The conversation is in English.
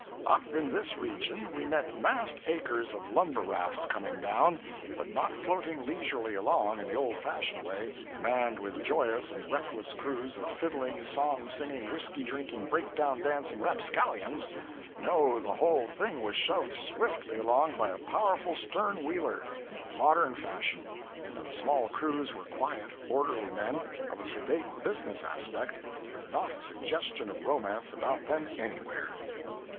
Up in this region we met massed acres of lumber rafts coming down but not floating leisurely along, in the old fashioned way, manned with joyous and reckless crews of fiddling, song singing, whiskey drinking, breakdown dancing rapscallions; no, the whole thing was shoved swiftly along by a powerful stern wheeler, modern fashion, and the small crews were quiet, orderly men, of a sedate business aspect, with not a suggestion of romance about them anywhere.